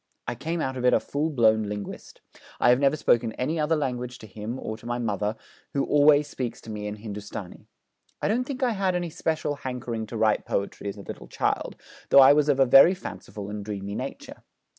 I came out of it a full blown linguist. I have never spoken any other language to him, or to my mother, who always speaks to me in Hindustani. I don't think I had any special hankering to write poetry as a little child, though I was of a very fanciful and dreamy nature.